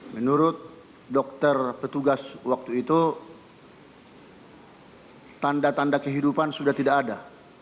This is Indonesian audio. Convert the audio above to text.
menurut dokter petugas waktu itu tanda tanda kehidupan sudah tidak ada